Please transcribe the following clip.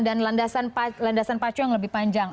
dan landasan pacu yang lebih panjang